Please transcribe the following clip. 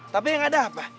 tapi yang ada apa